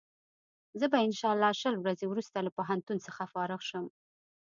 زه به انشا الله شل ورځې وروسته له پوهنتون څخه فارغ شم.